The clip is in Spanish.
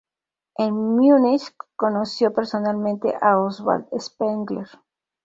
En Münich conoció personalmente a Oswald Spengler.